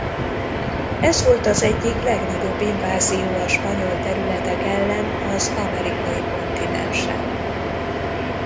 Ez volt az egyik legnagyobb invázió a spanyol területek ellen az amerikai kontinensen.